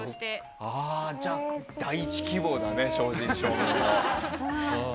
じゃあ第１希望だね、正真正銘の。